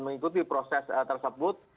mengikuti proses tersebut